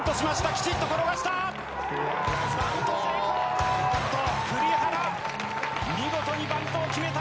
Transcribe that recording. きちんと転がした。